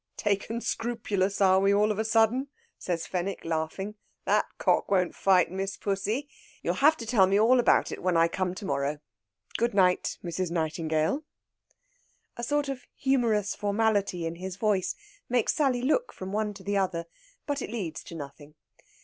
"Taken scrupulous, are we, all of a sudden?" says Fenwick, laughing. "That cock won't fight, Miss Pussy! You'll have to tell me all about it when I come to morrow. Good night, Mrs. Nightingale." A sort of humorous formality in his voice makes Sally look from one to the other, but it leads to nothing.